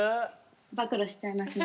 暴露しちゃいますね。